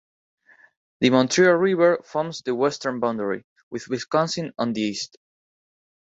The Montreal River forms the western boundary, with Wisconsin on the east.